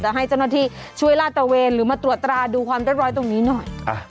ให้เจ้าหน้าที่ช่วยลาดตะเวนหรือมาตรวจตราดูความเรียบร้อยตรงนี้หน่อย